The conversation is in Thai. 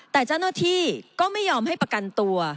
แต่เจ้าหน้าที่ก็ไม่ยอมให้ประกันตัว